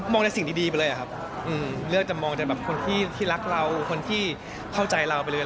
มองจากสิ่งดีไปเลยครับเลือกจะมองจากคนที่รักเราคนที่เข้าใจเราไปเลย